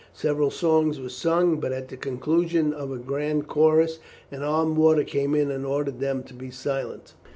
Several songs were sung, but at the conclusion of a grand chorus an armed warder came in and ordered them to be silent.